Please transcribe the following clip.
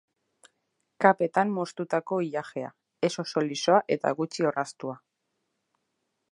Kapetan moztutako ilajea, ez oso lisoa eta gutxi orraztua.